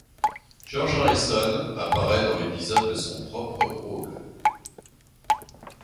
George Harrison apparaît dans l'épisode dans son propre rôle.